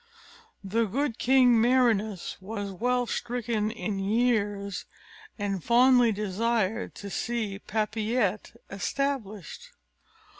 The good King Merinous was well stricken in years, and fondly desired to see Papillette established.